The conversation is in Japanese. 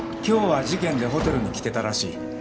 今日は事件でホテルに来てたらしい。